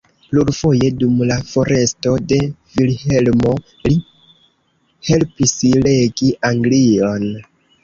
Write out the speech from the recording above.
Plurfoje dum la foresto de Vilhelmo li helpis regi Anglion.